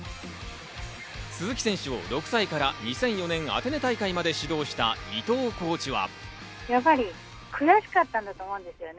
鈴木選手を６歳から２００４年アテネ大会まで指導した伊藤コーチは。